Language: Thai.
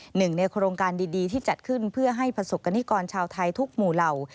หนึ่งในโครงการดีที่จัดขึ้นเพื่อให้ประสบกรณิกรชาวไทยทุกหมู่เหล่า